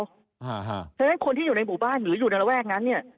เพราะฉะนั้นคนที่อยู่ในหมู่บ้านหรืออยู่ในระแวกนั้นเนี่ย